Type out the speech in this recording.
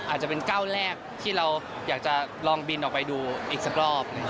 อาจจะเป็นก้าวแรกที่เราอยากจะลองบินออกไปดูอีกสักรอบ